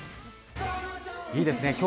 いいですね。